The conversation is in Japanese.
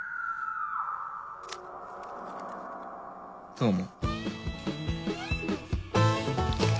どうも。